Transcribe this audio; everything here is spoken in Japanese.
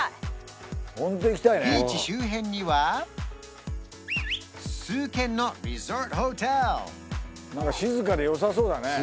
ビーチ周辺には数軒の静かでよさそうだね